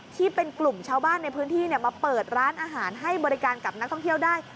ที่เป็นกลุ่มชาวบ้านในพื้นที่มาเปิดร้านอาหารให้บริการกับนักท่องเที่ยวได้